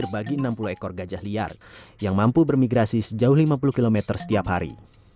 bagi enam puluh ekor gajah liar yang mampu bermigrasi sejauh lima puluh km setiap hari